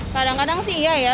kadang kadang sih iya ya